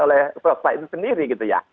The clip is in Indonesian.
oleh swasta itu sendiri gitu ya